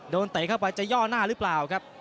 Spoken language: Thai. เตะเข้าไปจะย่อหน้าหรือเปล่าครับ